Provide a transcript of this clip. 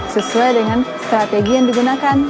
sesuai dengan strategi yang digunakan